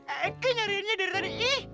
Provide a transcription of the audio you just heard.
eke nyariinnya dari tadi iih